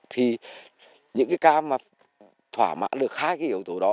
thì những cam thỏa mãn được hai yếu tố đó